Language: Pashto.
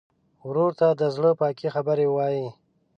ورور ته د زړه پاکې خبرې وایې.